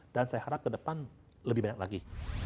dan saya harap ke depan lebih banyak lagi